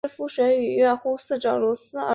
我的女儿玛丽在许多方面与她则截然不同。